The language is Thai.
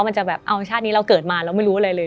มันจะแบบเอาชาตินี้เราเกิดมาเราไม่รู้อะไรเลย